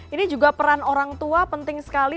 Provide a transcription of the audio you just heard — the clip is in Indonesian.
ini juga peran orang tua penting sekali